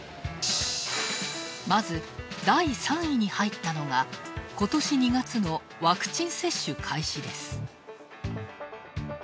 まず、第３位に入ったのがことし２月のワクチン接種開始です。